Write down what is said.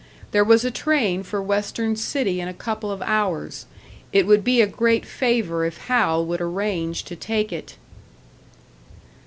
There was a train for Western City in a couple of hours; it would be a great favour if Hal would arrange to take it.